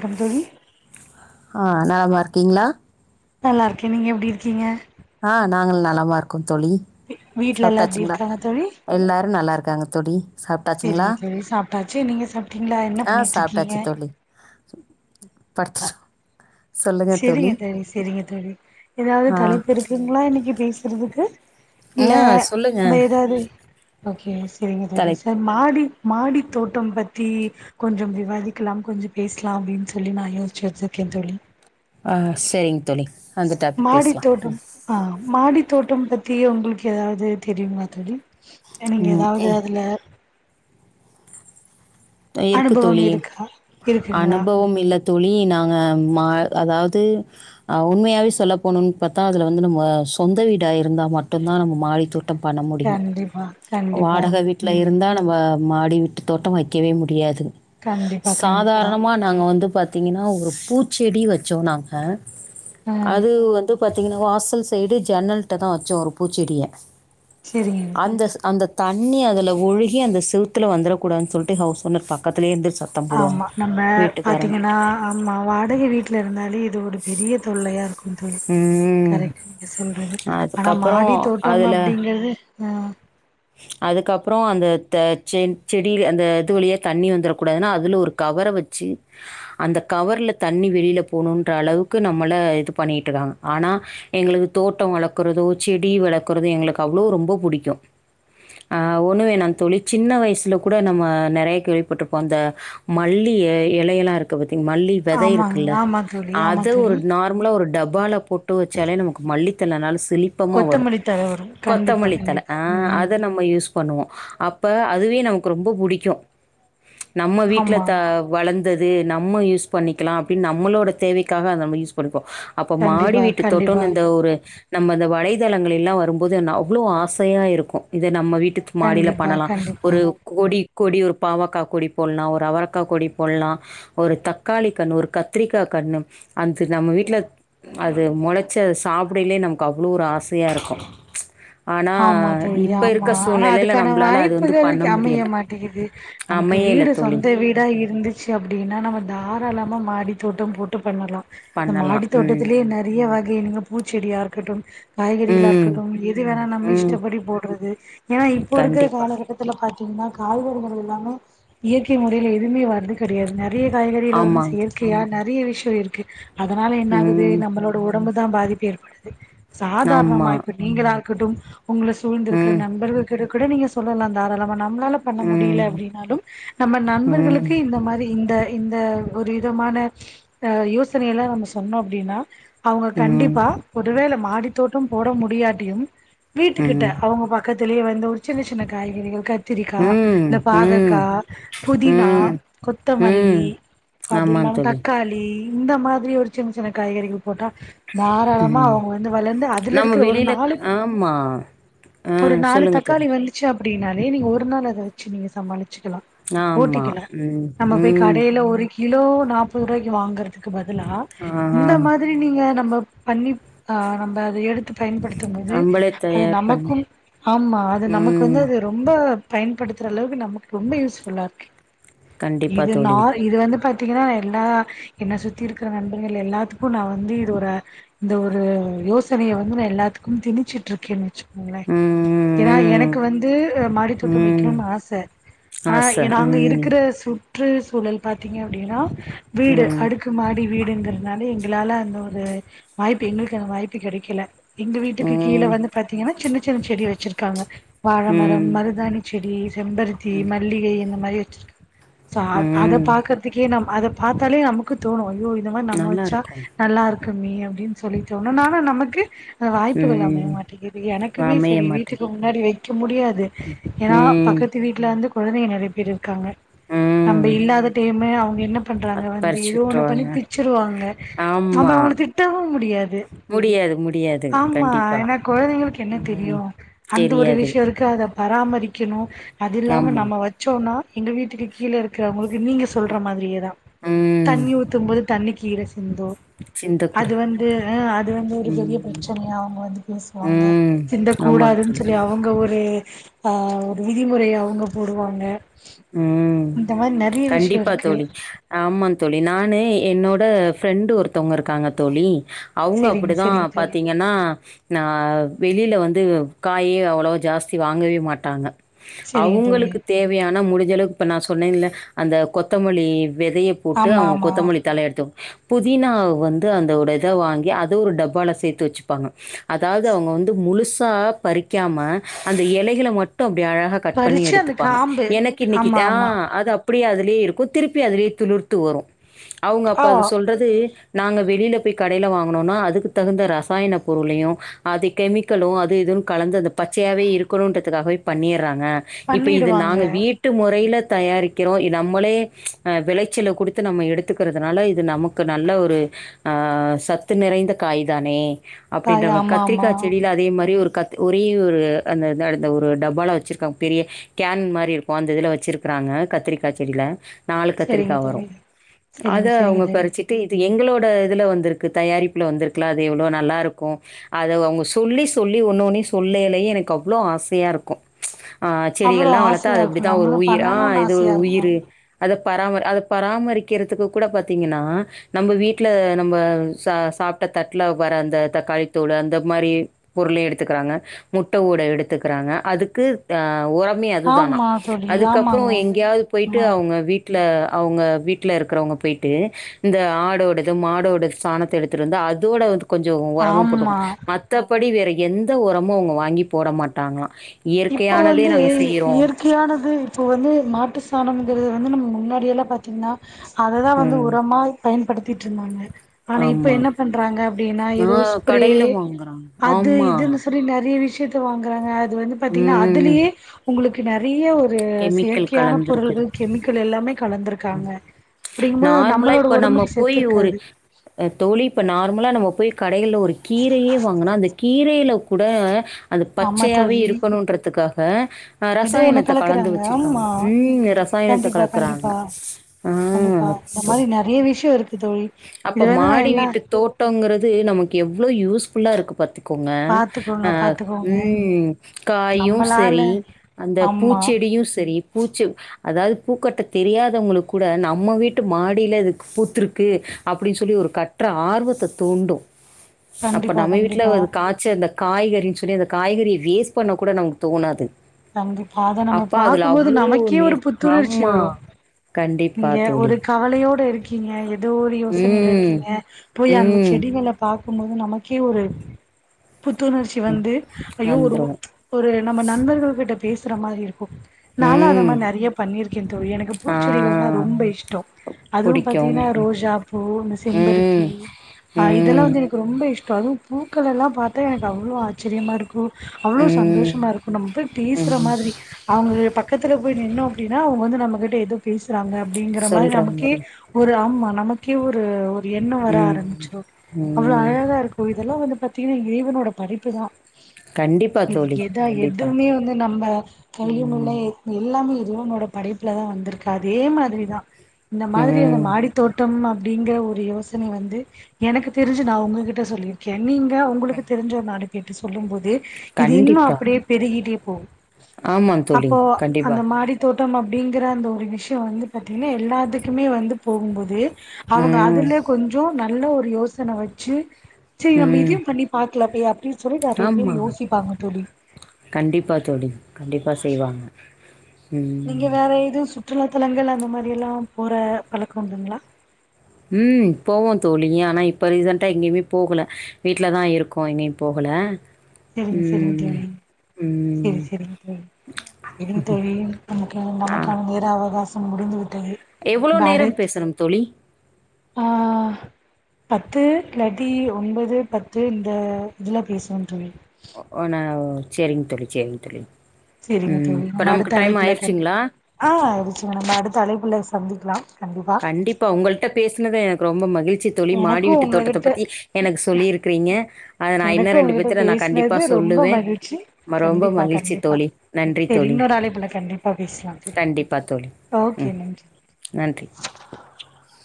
Come தோழி ஆஹ் நலமா இருக்கீங்களா நல்லா இருக்கே நீங்க எப்டி இருக்கீங்க ஆஹ் நாங்கள் நலமா இருக்கோம் தோழி வீ வீட்ல எல்லா எப்டி சாப்பிட்டாச்சுங்களா இருக்காங்க எல்லாரும் நல்லா இருக்கும் க்காங்க தோழி சாப்ட்டாச்சுங்களா? சேரிங்க சேரி சாப்பிட்டாச்சு நீங்க சாப்பிட்டீங்களா என்ன ஆ பண்ணிட்டு இருக்கீங்க பட்சு சேரிங்க தோழி சேரிங்க தோழி ஏதாவது ஆ தலைப்புருக்கு ங்கலான் இன்னைக்கி பேசுறதுக்கு இல்ல ஆ சொல்லுங்க. நாம்ம ஏதாவது ஓகே செரிங்க தோழி தலைப் மாடி மாடித் தோட்டம் பத்தி கொஞ்சம் விவாதிக்கலாம் கொஞ்சம் பேசலா அப்டின்னு சொல்லி நான் யோசிச்சி வச்சிருக்கே தோழி ஆஹ் செரிங் தோழி அந்த டாபிக் மாடி பேசலாம். தோட்டம் ஆஹ் மாடி தோட்டம் பத்தி உங்களுக்கு ஏதாவது தெரியுமா தோழி அ நீங்க ம் ஏதாவது எ அதுல இருக்கு அனுபவம் தோழி இருக்கா இருக்குங்களா அனுபவம் இல்ல தோழி நாங்க அதாவது உண்மையாவே சொல்ல போணும்னு பார்த்தா அதுல வந்து நம்ம சொந்த வீடாருந்தா மட்டும் தான் நம்ம மாடித்தூ பண்ண முடியும் கண்டிப்பா கண்டிப்பா வாடகை வீட்டுல ம் இருந்தா நம்ம மாடி விட்டு தோட்டமத்து வைக்கவே முடியாது கண்டிப்பா கண்டிப்பா சாதாரணமா நாங்க வந்து பாத்த பாத்திங்கன்னா ஒரு பூச்செடி வச்சோம் நாங்க ஆ அது வந்து பாத்தீங்கன்னா வாசல் சைடு ஜன்னலட்ட தான் வச்சோம் ஒரு பூச்செடிய செரிங்க அந்த அந்த தண்ணி அதுல ஒழுகி அந்த சிவத்துல வந்துட கூடானு சொல்லிட்டு ஹவுஸ் ஓனர் பக்கத்திலே இருந்து சத்தம் போடுவாங்க ஆமா நம்ம வீட்டுக்காரங்க பாத்தீங்கன்னா ஆமா வாடகை வீட்டுல இருந்தாலே இது ஒரு பெரிய தொல்லையா இருக்கும் கொந்தள் ம் கரைக்க இங்க சொல்கிறது ஆனால் அதுக்கப்புறம் மாடி தோட்டம் அப்படிங்கிறது ம் அதுக்கப்பறம் அந்த செ செடி செடியில அந்த இது வழியா தண்ணி வந்துரக்கூடாதுன்னா அதுல ஒரு கவரை வச்சு அந்த கவர்ல தண்ணி வெளியல போணுமுன்ற அளவுக்கு நம்மள இது பண்ணிட்டு இருக்காங்க ஆனா எங்களுக்கு தோட்டம் வளர்க்குறதோ செடி வளர்க்குறதோ எங்களுக்கு அவ்வளவு ரொம்ப பிடிக்கும் ஆ ஒண்ணமே நான தோழி சின்ன வயசுல கூட நம்ம நெறைய கேள்விப்பட்டிருப்போம் இந்த மல்லி இலையெல்லாம் இருக்க ப மல்லி விதை ஆமாங்க இருக்குல்ல ஆமா தோழி ஆமா அது ஒரு தோழி நார்மலா ஒரு டபு வாழப் பொட்டு வச்சாலே நமக்கு மல்லி இத்தனை நாள்ஸ் கொத்தமல்லி தல வரும் கண்டிப்பா தழ கண்டிப்பா ஆ ம் அத நம்ம யூஸ் பண்ணுவோம் அப்ப அதுவே நமக்கு ரொம்ப பிடிக்கும் நம்ம வீட்டுல ஆமா த வளர்ந்து அந்தது நம்ம யூ பண்ணிக்கலாம் அப்டினு நம்மளோட தேவைக்காக அத நம்ம யூஸ் பண்ணிப்போம் அப்ப மாடி கண்டிப்பா வீட்டு கண்டிப்பா தோட்டம்னு இந்த ஒரு நம்ம அந்த வலைத்தளங்களெலாம் வரும்போது அவ்வளோ ஆசையாக இருக்கும் இது நம்ம விட் மாடியில கண்டிப்பா பண்ணலாம் ஒரு கண்டிப்பா கோடி கொடி ஒரு பாவக்கா கொடி போடலாம் ஒரு அவரக்காய் கொடி போடலாம் ஒரு தக்காளி கண்ணு ஒரு கத்திரிக்கா கண்ணு அந்த நம்ம வீட்டுல அது முளைச்ச சாப்படையிலயே நமக்கு அவ்வளவு ஒரு ஆசையா இருக்கும் ஆனா ஆமா தோழி நிப் ஆனா அதுக்கான வாய்ப்புகள் அமைய முடியல. மாட்டேங்குது நமக்கு அமையல வீடு தோழி. சொந்த வீடா இருந்துச்சு அப்டின்னா நம்ம தாராளம் நம்ம மாடி தோட்டம் போட்டு பண்ணலாம் இந்த பண்ணலாம். மாடி ம். தோட்டத்திலேயே நெறைய வகை பூச்செடியா இருக்கட்டும் காய்கறிகளா ம். இருக்கட்டும் எது வேணா நம்ம ம் இஷ்டப்படி போடுறது ஏன்னா இப்போ இருக்கிற கண்டிப்பா. காலகட்டத்துல பா ட்டிங்னா காய்கறிகள் எல்லாமே இயற்கை முறையில எதுவுமே வர்றது கெடையாதுங்க நெறைய காய்கறில வந்து ஆமாங்க தோழி. செயற்கையா நெறைய வி ச்சுவலி இருக்கு அதனால என்ன ஆகுது ம். நம்மளோட ஒ உடம்புதா பாதிப்பு ஏற்படுது ஆமா. சாதாரணமா இப்ப நீங்கதா க்குடும் உங்கள சூழ்ந்து இருக்கிற ம். நண்பர்கள் கிட்ட கூட நீங்க சொல்லலா தாராளமா நம் ம்ளால பண்ண ம். முடியல அப்டின்னாலும் நம்ம ம். நண்பர்களுக்கு இந்த மாரி இந் த்த இந்த ஒரு விதமான ஆ யோசனை எல்லா நம்ம சொன்னோ அப்டின்னா அவுங்க ம். கண்டிப்பா ஒருவேள மாடித்தோட்டம் போட முடியாட்டியும் வீட்டுக்கிட்ட ம். ம். அவங்க பக்கத் இதுலயே வந்து ஒரு சின்ன சின்ன காய்கறிகள் கத் கத்திரிக்கா இந்த ம். பாகக்கா புதினா ம். ம். கொத்தமல்லி அது ஆமாங்க இல்லாம தோழி. தக்காளி இந்த மாதிரி ஒரு சின்ன சின்ன காய்கறிகள் போட்டா தாராளமா ம். அவுங்க வந்து வளர்ந்து அதுல நம்ம இருக்கிற ஒரு வெளியில நாலு ஆமா. ஆ ஒரு நாலு சொல்லுங்க தோழி. தக்காளி வந்துச்சு அப் அப்டின்னாலே நீங்க ஒரு நாள் அத வச்சு நீங்க சமாளிக் ச்சுக்கலா ஆமா. ஓட்டிக்கலா ம், நம்ம போய் ம். கடைல ஒரு கி கிலோ நாப்பது ரூபாய்க்கு வாங்கறதுக்கு பத் இதுலா ஆஹா. இந்த மாதிரி நீங்க நம்ம பண்ணி ஆ நம்ப அத எடுத்து பயன்படுத்தும்போது நம்பளே அது தயார் பண்ணி நமக்கும் ஆமா அது நமக்கு ம். வந்து அது ரொம்ப பயன்படுத்துற அளவுக்கு நமக்கு ரொம்ப யூஸ்ஃபுல்லா இருக்கு கண்டிப்பா இது நா தோழி. இது வந்து பாத் த்தீங்கனா எல்லா என்ன சுத்தி இருக்கிற நண்பர்கள் எல்லாத்துக்கு நா வந்து இது ஒரு இந்த ஒரு யோசனைய வந்து நா எல்லாத்துக்கும் திணிச்சு ட்ருக்குணுச்சு ங்ளே ம், ஏன்னா ம், ம். எனக்கு வந்து அ மாடித்தோட்டோ ம். வைக்கணும்னு ஆசை ஆனா ஆச. நாங்க ம், இருக்கிற சு சுற்று சூழல் பாத்தீங்க அப்டின்னா வீடு ம், அடுக்கு மாடி வீட் அப்டிங்கிறதுனால எங்களால அந்த ஒரு வாய்ப்பு எங்களுக்கு அந்த வாய்ப்பு கெடைக்கல எங்க வீட்டுக்கு கீழ ம், வந்து பாத்தீங்கன்னா சின்ன சின் செடி வச்சிருக்காங்க வாழமரம் ம், மருதாணி செ திடீர் செம்பருத்தி ம், மல்லிகை அந்த மாரி [unintelligible] சாப் அத ம். பாக்குறதுக்கே நம் அத பாத்தாலே நமக்கு தோணு யோ இந்த மாரி நம்ம வச்சா நல்லாருக்கும். நல்லாருக் கம்மி அப்டின் சொல்லிட்டோனோ ஆனா நமக்கு ஆ வாய்ப் ம். [unintelligible] மாட்டிங்குது எனக்குமே அமைய சரி மாட்டே வீட்டுக்கு முன்னாடி வைக் ச்சு முடியாது து ஏன்னா ம், பக்கத்து வீட்ல வந்து கொழந்தைங்க நெறைய பேர் இருக்காங்க நம்ப ம். இல்லாத டைமு அவ என்ன பன் பண்றாங்க வந்து பறிச்சு ஏதோ ஒண்ணு பண்ணி விட்ருவாங்க. பிச்சிருவாங்க நாம ஆமா. அவங்கள திட்டவு முடியாது முடியாது, முடியாது. ஆம் ஆ கண்டிப்பா. ஏன்னா கொழந்தைகளுக்கு என்ன ம் தெரியு அந்த ஒரு தெரியாது விஷயொ இருக்கு அத பராமரிக்கணு அது இல்லாம ஆமா. நம்ம வச்சோம்னா எங்க வீட்டுக்கு கீழே இருக்குறவங்களுக் நீ நீங்க சொல்ற மாதிரியேதா ம் தண்ணி ஊத்தும்போது தண்ணிக் கீழ சிந்து சிந்தக்கூட அது வந்து அஹ் அது வந்து ஒரு பெரிய ம் பிரச்சனையாகு பேசுவாங்க ம் சிந்தக் ஆமாங்க கூடாதுன்னு தோழி. சொல்லி அவங்க ஒரு ஆ ஆஹ் ஒரு விதிமுறை அவங்க போடுவாங்க உம் இந்த மாரி நெறைய விஷயோ கண்டிப்பா இருக்கு தோழி ஆமாந் தோழி நானே என்னோட் து ஃப்ரெண்டு ஒருத்தவங்க இருக்காங்க தோழி அவுங்க செரிங்க அப்பிடிதான் செரிங்க தோழி பாத்தீங்கன்னா நா வெளில வந்து காயே அவ்வுளவோ ஜாஸ்தி வாங்கவே மாட்டாங்க செரிங்க தோழி அவங்களுக்கு தேவையான நா முடிஞ்ச அளவுக்கு இப்ப நா சொன்னேல அந்த கொத்தமழி விதய போட்டு ஆமா அவுங்க ஆமா கொத்தமல்லி தலய எடுத்தோவோ ஹ புதினா வந்து அந்தோட இத வாங்கி அத ஒரு டப்பால சேர்த்து வச்சுப்பாங்க அதாவது அவுங்க வந்து முழுசா பறிக்காம அந்த இலகள மட்டும் இபிடி அழகாக கட் பண்ணி பறிச்சு அந்த எடுத்துப்பாங்க காம்பு எனக்கு இன்னக்கி ஆமா த ஆ ஆமா அது அப்டியாது அதிலே இருக்கு திருப்பி அதிலே துளிர்த்து வரும் அவுங்க அப்ப ஆ அத சொல்றது நாங்க வெளில போய் கடயில வாங்குனோனா அதுக்கு தகுந்த ரசாயன பொருளையும் அது கெமிக்கலு அது இதுன்னு கலந்து அந்த பச்சயாகவே இருக்கணுன்றதுக்காகவே பண்ணிர் இருக்காங்க இப்ப இது பண்ணிடுவாங்க நாங்க முறயில தயாரிக்கிறோ நம்மளே ஹ விளச்சல கொடுத்து நம்ம எடுத்துக்கிறதுனால இது நமக்கு நல்ல ஒரு ஆ சத்து நெறைந்த காய் தானே காய் அப்டின்றவ ஆமா ஆமா கத்திரிக்கா செடியில அதே மாரி ஒரு கத் ஒரே ஒரு அந்த ஒரு டப்பால வச்சிருக்காங்க பெரிய கேன் மாரி இருக் போந்ததுல வச்சிருக்கறாங்க கத்திரிக்கா செடியில ஆ நாலு செரிங்க கத்திரிக்காய் தோழி வரும் அத செரிங்க செரிங்க அவுங்க தோழி பறிச்சிட்டி இது எங்களோட இதுல வந்திருக்கு தயாரிப்புல வந்திருக்குல அது எவ்ளோ நல்லா இருக்கும் அத அவுங்க சொல்லி சொல்லி ஒன்னு ஒன்னி சொல்லயிலய எனக்கு அவ்ளோ ஆசையா இருக்கு ஆ அவ்ளோ செடிகெல்லா வளத் ஆசையா அது இருக்கு அப்டிதா ஒரு நம்மளு உயிர் ஆ பண்ணணுனு இது ஒரு ஆசையா இருக்கு உயிரு அத பராம அத பராமரிக்கிறதுக்கு கூட பாத்தீங்கின்னா நம்ப வீட்டுல நம்ப ச சாப்பட்ட தட்டல வர அந்த தக்காளித்தூளு அந்த மாரி பொருளே எடுத்துக்கிறாங்க முட்ட ஓடே எடுத்துக்கிறாங்க அதுக்கு ஆ ஒறமே அது தானா ஆமா தோழி அதுக்கப்பற ஆமாங்க எங்கேயாவது போயிட்டு ஆமா அவுங்க வீட் வீட்ல அவுங்க வீட்டுல இருக்கிறவங்க போய்ட்டு இந்த ஆடோடது மாடோடது சாணத்த எடுத்துட்டு வந்து அதோட வந் கொஞ்ச உரமு ஆமா போட்டுக்கணு மற்றத்தபடி வேற எந்த உரமு அவுங்க வாங்கி போட மாட்டாங்களா இப்போ வந்து இயற்கையானது இப்போ வந்து மாட்டு சாணம்ங்கிறது வந்து நம்ப முன்னாடி எல்லா பாத்தீங்கன்னா அததா வந்து ம். உரமா பயன்படுத் தட்டுந்தங்க ஆனா இப்ப ஆமா. என்ன பண்றாங்க அப்டினா ஆ ஏதோ ஸ்பிரே கடையில வாங்குறாங்க. அது ஆமா. இதுன்னு சொல்லி நெறைய விஷய [inaudible] பாத்தீங்கன்னா ம். அதுலயே உங்ளுக்கு நெறைய ஒரு ஒரு கெமிக்கல் செயற்கையான கலந்திருக்கு. பொருள்கள் கெமிக்கல் எல்லாமே கலந்திருக்காங்க அப்படிங்கும்போது நார்மலா நம்மளோட இப்ப நம்ம உடம்புக்கு செத்து போய் ஒரு இருக்காது அ தோழி இப்ப நார்மலா நம்ம போய் கடையில ஒரு கீரையே வாங்குனா அந்த கீரையில கூட அது ஆமா பச்சையாவே தோழி இருக்கணுன்றதுக்கா இப்ப ஆ ஏதோ ஒண்ணு ரசாயனத் கலந்து கலக்குறாங்க வச்சிருக்காங்க ஆமா ம்ம் ரசாயனத்தை கண்டிப்பா கலக்குறாங்க கண்டிப்பா கண்டிப்பா ம் இந்த மாரி நெறைய விஷயோ இருக்கு தோழி இது அப்ப வந்து நா மாடி எல்லா வீட்டு தோட்டங்குறது நமக்கு எவ்ளோ யூஸ்ஃபுல்லா இருக்கு பாத்து உங்க பாத்துக்கோங்க அ பாத்துக்கோங்க உம் காயும் நம்பளால செரி அந்த ஆமா பூச்செடியும் சரிப் பூச்சி அதாவது பூக்கட்ட தெரியாதவங்களுக்கு கூட நம்ம வீட்டு மாடியில இதுக்கு பூத்துருக்கு அப்டி சொல்லி ஒரு கற்ற ஆர்வத்தை தூண்டும் அப்ப கண்டிப்பா நம்ம வீட்ல கண்டிப்பா ஒரு காய்ச்ச இந்த காய்கறி சொல் அந்த காய்கறிய வேஸ்பண்ண கூட நமக்கு தோணாது நம்பு அத நம்ம அப்ப அதுல பாக்கும்போது அவ்ளோ நமக்கே ஒரு நேர் புத்துணர்ச்சி ஆமா. வரும் கண்டிப்பா இங்க தோழி. ஒரு கவலையோட இருக் கிங்க ஏதோ ஒரு யோசனைல ம். இருக்கீங்க போய் அந்த ம். செடி நில பாத்து போது நமக்கே ஒரு புத்துணர்ச்சி வந்து ஐயோ ஒரு வந்துரும் ஒரு நம்ப நண்பர்கள் கிட்ட பேசுற மாரி இருக்கும் நானும் அதை ம் மாரி நெறைய பண்ணிருக்கேன் தோழி எனக்கு ஆ பூச்சி ஆர்திகள்னா ரொம்ப இஷ்டம் அதுவும் புடிக்கும் பாத்தீங்கன்னா ரோஜா பூ இந்த ம் செம்பருத்தி இதெல்லாம் ம் வந்து எனக்கு ரொம்ப இஷ்டம் வரும் பூக்களெல்லாம் பாத்தா எனக்கு அவ்ளோ ஆச்சரியமா இருக்கும் அவ்ளோ ம் சந்தோஷமா இருக்கும் நம்ம போய் பேசுற ம் மாதிரி அவங்க பக் பக்கத்துல போய் நின்னோம் அப்டினா அவங்க நம்ம கிட்ட எது பேசுறாங்க அப்டிங்கற மாரி நமக்கே ஒரு ஆமா நமக் கி ஒரு என்ன வர ம் ஆரம்பிச்சிடும் அவ்ளோ ம் அழகா இருக்கும் இதெலாம் வந்து பாத்தீங்கனா இறைவனோட படைப்புதான் கண்டிப்பா தோழி எதா கண்டிப்பா எதுவுமே வந்து நம்ப கைலயும் இல்ல ம் எத் எல்லாமே இறைவனனேட படைப்புல தான் வந்திருக்கு அதே மாதிரிதான் இந்த மாதிரி அந்த ம் மாடி தோட்டம் அப்படிங்கற ஒரு யோசனை வந்து எனக்கு தெரிஞ்சு நான் உங்ககிட்ட சொல்லியிருக்கேன் நீங்க உங்களுக்கு தெரிஞ்ச ஒரு நாடி கேட்டு சொல்லும் போது இது இன்னும் கண்டிப்பா அப்படியே பெருகிிட்டே போ ஆமா தோழி அப்போ கண்டிப்பா அந்த மாடி தோட்ட முத்தம் அப்படிங்கிற அந்த ஒரு வே விஷம் வந்து பார்த்தீங்கன்னா எல்லாத்துக்குமே வந்து போகும்போது அவங்க ம் அதுலயே கொஞ்சம் நல்ல ஒரு யோசனை வச்சு சரி நம்ம ம் இதையும் பண்ணி ப கிளப்ப்பியப்பி ஆமா கண்டிப்பா சொல்லு கண்டிப்பா செய்வாங்க ம் நீங்கங் வேற இது சு சுற்றுலாத்தலங்கள் அந்த மாதிரி போற பழக்கம் உண்டுங்களா ம் போவோம் தோழிய ஆனா இப்ப ரீசன்டா எங்கேயுமே போகல வீடலதான் இருக்கோம் எங்கேயும் போகல சரிங்க சரிங்க ம். தேழி சரி ம். சரி சரிங்க தேழி ஆ. நமக்கான நேர அவகாசம் முடிந்தது எவ்வளோ நேரம் பேசணும் தோழி ஆஹ் பத்து தாட்டி ஒன்பது பத்து இந்த இதுல பேசுன்னோ தோழி ஒ நா சரிங்க தழி சரிங்க தழி சரிங்க தோழி நம்ம அடுத்த அழைபுள்ள கண்டி ஆஹ் ஆிச்சுங்க நம்ம அடுத்த அழபுள்ள சந்திக்கலாம் கண்டிப்பா உங்கள்டிட்ட பேசுினது ரொ மகி்ழ்சி தோழி மாடி எனக்கு வீட்டு தோட்டத்தை உங்ககிட்ட பத்தி எனக்கு சொல்லிிருக்கிறீங்க அதை நான் எனக்கு இன்னும் ரெண்டு உங்ககிட்ட பேத்து நான் கண்டிப்பா பேசுனது ரொம்ப சொல்லுவேன் மகிழ்ச்சி ரொம்ப கண்டிப்பா மகிழ்ச்சி கண்டிப்பா தோழி நன்றி சரி தோழி இன்னொரு அழைப்புல கண்டிப்பா பேசலாம் தோழி கண்டிப்பா தோழி ஓகே உம் நன்றி நன்றி [unintelligible]